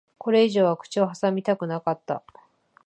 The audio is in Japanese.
これ以上は口を挟みたくなかった。